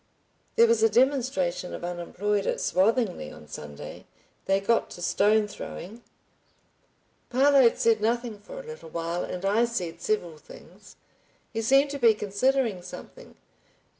"There was a demonstration of unemployed at Swathinglea on Sunday. They got to stone throwing." Parload said nothing for a little while and I said several things. He seemed to be considering something.